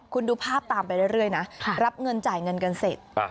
คุณดูภาพตามไปเรื่อยนะรับเงินจ่ายเงินกันเสร็จ